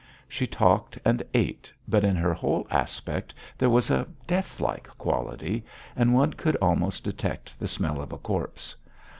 She talked and ate, but in her whole aspect there was a deathlike quality, and one could almost detect the smell of a corpse.